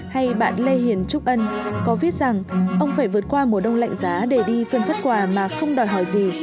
hay bạn lê hiền trúc ân có viết rằng ông phải vượt qua mùa đông lạnh giá để đi phân vất quà mà không đòi hỏi gì